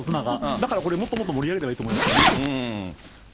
だからもっともっと盛り上げていいと思いますよね。